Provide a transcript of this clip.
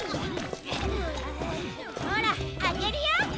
ほらあけるよ！